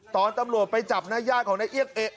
ตอนตำลวดไปจับนะญาติของนักเอี๊ยกเอ๋อ